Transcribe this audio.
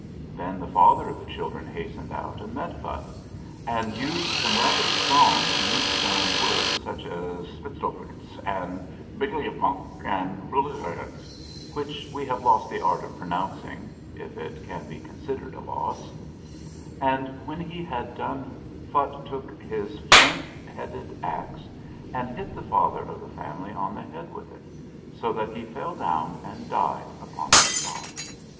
Then the father of the children hastened out and met Phutt, and used some rather strong New Stone words, such as "Spzflutz" and "Bbjkfjiuk" and "Bubblexg," which we have lost the art of pronouncing (if it can be con sidered a loss) ; and when he had done Phutt took his flint headed axe and hit the father of the family on the head with it, so that he fell down and died upon the spot.